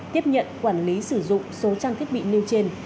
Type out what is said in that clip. tiếp nhận quản lý sử dụng số trang thiết bị nêu trên